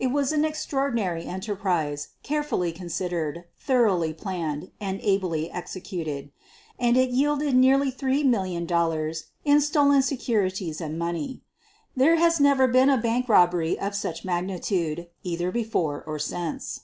It was an extraordinary enterprise, carefully con sidered, thoroughly planned, and ably executed; and it yielded nearly $3,000,000 in stolen securities and money. There has never been a bank robbery of such magnitude, either before or since.